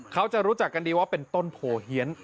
เขาจะรู้จักกันดีว่าเป็นต้นโผเฮียน